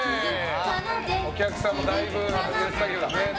お客さんもだいぶ外れたけどね。